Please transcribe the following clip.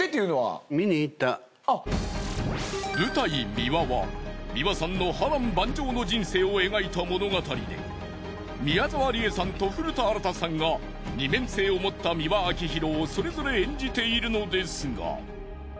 『ＭＩＷＡ』は美輪さんの波瀾万丈の人生を描いた物語で宮沢りえさんと古田新太さんが二面性を持った美輪明宏をそれぞれ演じているのですが。